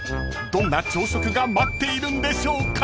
［どんな朝食が待っているんでしょうか？］